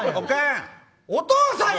お父さんや。